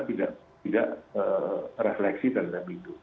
tidak refleksi terhadap itu